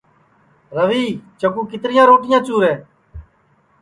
روی چکُو کیتریا روٹیاں چُورے